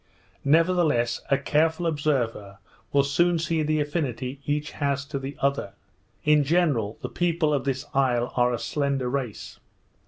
Nevertheless, a careful observer will soon see the affinity each has to the other. In general, the people of this isle are a slender race.